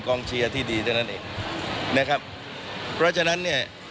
กรณีนี้ทางด้านของประธานกรกฎาได้ออกมาพูดแล้ว